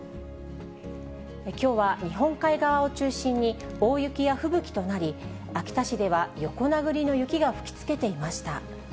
きょうは日本海側を中心に、大雪や吹雪となり、秋田市では横殴りの雪が吹きつけていました。